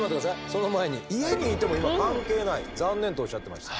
その前に「家にいても関係ない。残念」とおっしゃってました。